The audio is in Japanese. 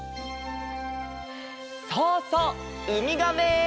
そうそうウミガメ！